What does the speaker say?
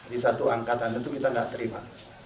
di satu angkatan itu kita tidak terima